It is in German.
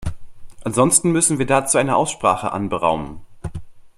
Ansonsten müssten wir dazu eine Aussprache anberaumen.